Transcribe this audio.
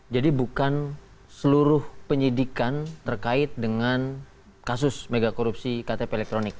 bukan seluruh penyidikan terkait dengan kasus megakorupsi ktp elektronik